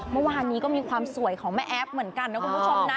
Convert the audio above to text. เมื่อวานนี้ก็มีความสวยของแม่แอฟเหมือนกันนะคุณผู้ชมนะ